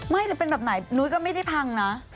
หรือเป็นแบบไหนนุ้ยก็ไม่ได้พังนะ